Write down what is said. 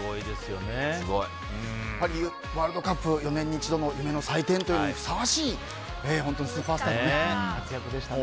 やっぱりワールドカップは４年に一度の夢の祭典というのにふさわしい本当にスーパースターの活躍でしたね。